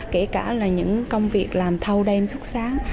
kể cả là những công việc làm thâu đêm suốt sáng